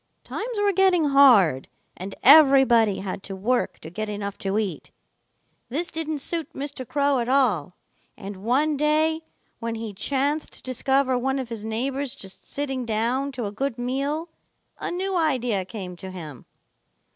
Times were getting hard, and everybody had to work to get enough to eat. This didn't suit Mr. Crow at all, and one day when he chanced to discover one of his neighbors just sitting down to a good meal, a new idea came to him.